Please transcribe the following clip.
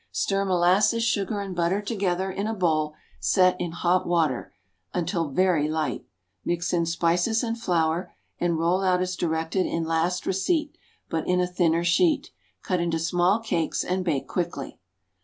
Stir molasses, sugar and butter together in a bowl set in hot water, until very light. Mix in spices and flour, and roll out as directed in last receipt, but in a thinner sheet. Cut into small cakes and bake quickly.